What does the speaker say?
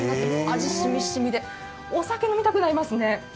味しみしみで、お酒飲みたくなりますね。